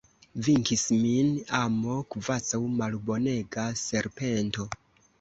Venkis min amo, kvazaŭ malbonega serpento!